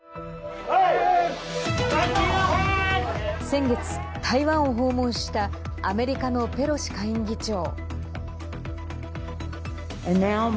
先月、台湾を訪問したアメリカのペロシ下院議長。